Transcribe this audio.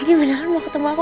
adi beneran mau ketemu aku